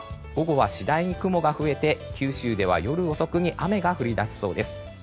午後は次第に雨が増えて九州では夜遅くに雨が降り出しそうです。